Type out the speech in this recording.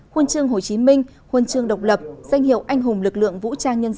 huân chương hồ chí minh huân chương độc lập danh hiệu anh hùng lực lượng vũ trang nhân dân